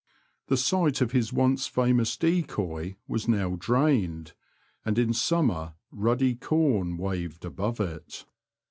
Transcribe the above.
The site of his once famous decoy was now drained, and in summer ruddy corn waved above it.